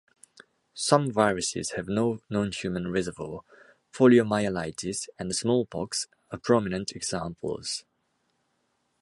Some viruses have no non-human reservoir: poliomyelitis and smallpox are prominent examples.